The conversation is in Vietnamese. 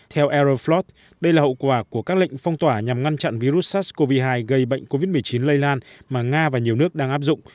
theo aeroflot đây là hậu quả của các lệnh phong tỏa nhằm ngăn chặn virus sars cov hai gây bệnh covid một mươi chín lây lan mà nga và nhiều nước đang áp dụng